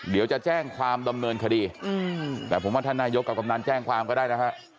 เดี๋ยวจะแจ้งความดำเนินคดีแต่ผมว่าท่านนายกกับกำนันแจ้งความก็ได้นะฮะ